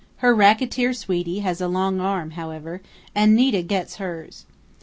Her racketeer sweetie has a long arm, however, and Nita gets hers.